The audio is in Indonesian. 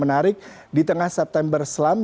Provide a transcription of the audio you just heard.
menarik di tengah september selam